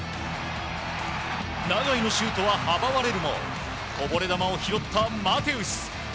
永井のシュートは阻まれるもこぼれ球を拾ったマテウス。